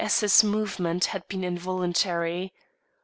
S 's movement had been involuntary.